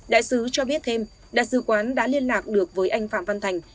đại sứ cho biết thêm đại sứ quán đã liên lạc được với anh phạm văn thành